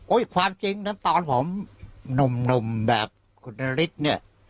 ความจริงนะตอนผมหนุ่มแบบคุณนฤทธิ์เนี่ย